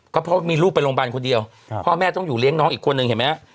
ก็เพราะมีลูกไปโรงพยาบาลคนเดียวพ่อแม่ต้องอยู่เลี้ยงน้องอีกคนนึงเห็นไหมฮะ